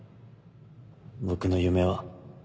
僕の夢は